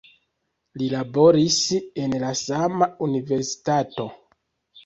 Li laboris en la sama universitato.